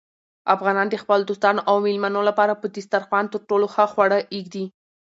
افغانان د خپلو دوستانو او مېلمنو لپاره په دسترخوان تر ټولو ښه خواړه ایږدي.